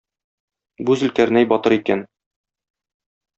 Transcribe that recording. Бу Зөлкарнәй батыр икән.